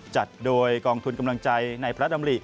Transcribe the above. จัดโดยกองทุนกำลังใจในพระดำริ